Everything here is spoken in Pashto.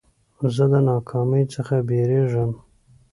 زه د ناکامۍ څخه بېرېږم.